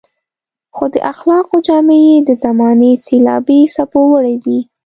خو د اخلاقو جامې يې د زمانې سېلابي څپو وړي دي.